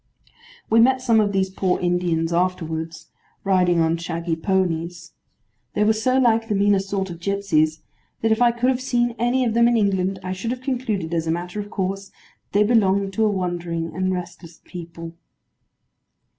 We met some of these poor Indians afterwards, riding on shaggy ponies. They were so like the meaner sort of gipsies, that if I could have seen any of them in England, I should have concluded, as a matter of course, that they belonged to that wandering and restless people.